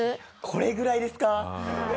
これぐらいですか？